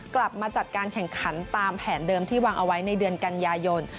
กลับมาจัดการแข่งขันตามแผนเดิมที่วางเอาไว้ในเดือนกันยายน